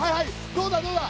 どうだどうだ？